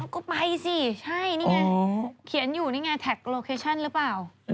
ก็ไปสิใช่นี่ไงเขียนอยู่นี่ไงแท็กโลเคชั่นหรือเปล่า